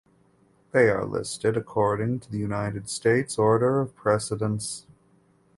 They are listed according to the United States order of precedence.